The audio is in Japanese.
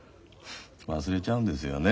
忘れちゃうんですよね